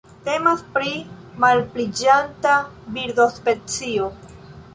Temas pri malpliiĝanta birdospecio.